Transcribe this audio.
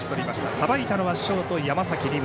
さばいたのはショート山崎凌夢。